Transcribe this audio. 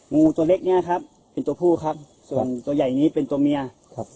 งูตัวเล็กเนี้ยครับเป็นตัวผู้ครับส่วนตัวใหญ่นี้เป็นตัวเมียครับ